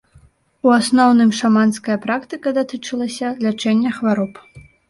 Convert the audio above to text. У асноўным шаманская практыка датычылася лячэння хвароб.